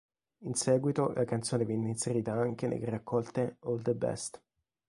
In seguito la canzone venne inserita anche nelle raccolte "All the Best!